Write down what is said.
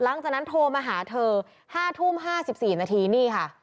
หลังจากนั้นโทรมาหาเธอ๕ทุ่ม๕๔นาทีนี่ค่ะ